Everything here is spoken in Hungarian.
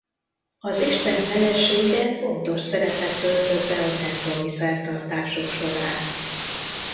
Az isten felesége fontos szerepet töltött be a templomi szertartások során.